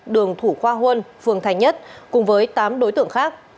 đường thủ khoa huân phường thành nhất cùng với tám đối tượng khác